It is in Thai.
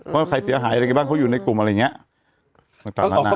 ว่าใครเสียหายอะไรกันบ้างเขาอยู่ในกลุ่มอะไรอย่างนี้ต่างนานา